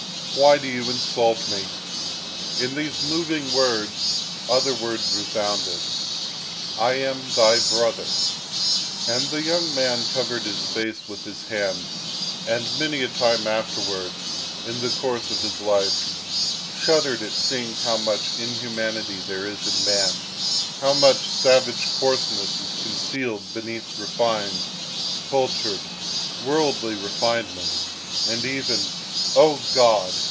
Why do you insult me?" In these moving words, other words resounded "I am thy brother." And the young man covered his face with his hand; and many a time afterwards, in the course of his life, shuddered at seeing how much inhumanity there is in man, how much savage coarseness is concealed beneath refined, cultured, worldly refinement, and even, O God!